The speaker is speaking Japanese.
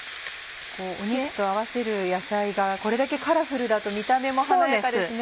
肉と合わせる野菜がこれだけカラフルだと見た目も華やかですね。